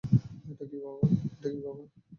এটা কী বাবা?